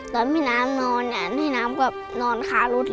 ตอนพี่น้ำนอนพี่น้ำก็นอนค่ารถลิก